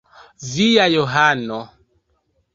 Via Johano.